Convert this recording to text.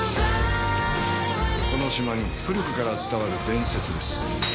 「この島に古くから伝わる伝説です」